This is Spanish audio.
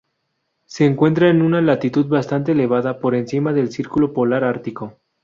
Se encuentra en una latitud bastante elevada, por encima del Círculo Polar Ártico.